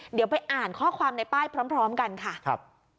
เดี๋ยวไปอ่านข้อความในป้ายพร้อมกันค่ะครับ